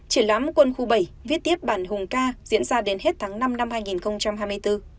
triển lãm quân khu bảy viết tiếp bản hùng ca diễn ra đến hết tháng năm năm hai nghìn hai mươi bốn